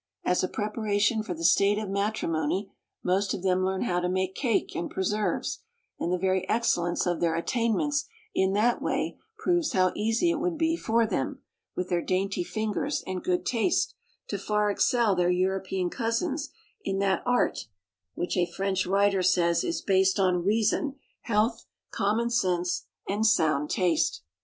As a preparation for the state of matrimony most of them learn how to make cake and preserves, and the very excellence of their attainments in that way proves how easy it would be for them, with their dainty fingers and good taste, to far excel their European cousins in that art which a French writer says is based on "reason, health, common sense, and sound taste."